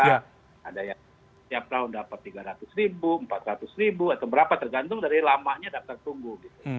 ada yang tiap tahun dapat tiga ratus ribu empat ratus ribu atau berapa tergantung dari lamanya daftar tunggu